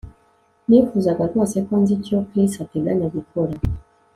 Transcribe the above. Nifuzaga rwose ko nzi icyo Chris ateganya gukora